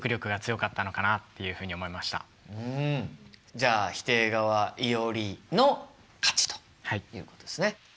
じゃあ否定側いおりの勝ちということですね。